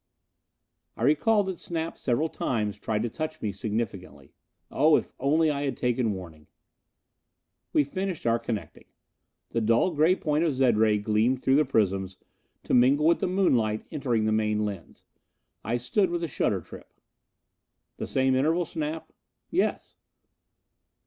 I recall that Snap several times tried to touch me significantly. Oh, if only I had taken warning! We finished our connecting. The dull gray point of zed ray gleamed through the prisms, to mingle with the moonlight entering the main lens. I stood with the shutter trip. "The same interval, Snap?" "Yes."